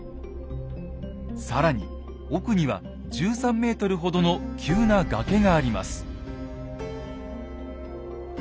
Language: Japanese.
更に奥には１３ｍほどの急な崖があります。